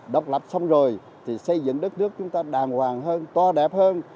độc lập xong rồi thì xây dựng đất nước chúng ta đàng hoàng hơn to đẹp hơn